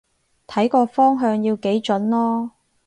睇個方向要幾準囉